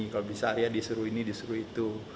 kalau bisa arya disuruh ini disuruh itu